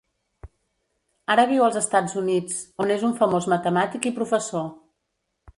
Ara viu als Estats Units, on és un famós matemàtic i professor.